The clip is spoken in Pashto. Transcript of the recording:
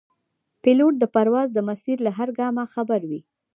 پیلوټ د پرواز د مسیر له هر ګامه خبر وي.